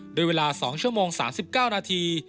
โดยเวลา๒ชั่วโมง๓๙นาที